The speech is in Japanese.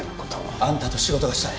あんたと仕事がしたい